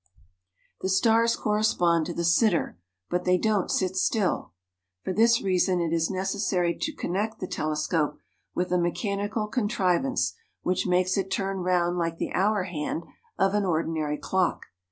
The stars correspond to the sitter, but they don't sit still. For this reason it is necessary to connect the telescope with a mechanical contrivance which makes it turn round like the hour hand of an ordinary clock.